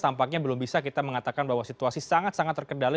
tampaknya belum bisa kita mengatakan bahwa situasi sangat sangat terkendali